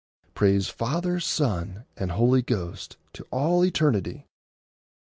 Praise Father, Son, and Holy Ghost To all eternity!